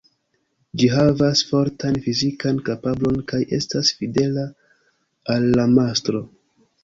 Ĝi havas fortan fizikan kapablon kaj estas fidela al la mastro.